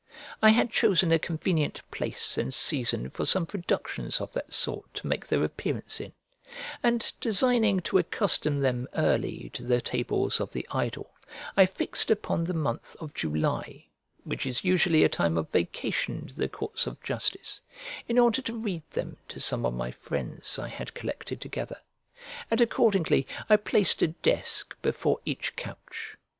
I had chosen a convenient place and season for some productions of that sort to make their appearance in; and designing to accustom them early to the tables of the idle, I fixed upon the month of July, which is usually a time of vacation to the courts of justice, in order to read them to some of my friends I had collected together; and accordingly I placed a desk before each couch.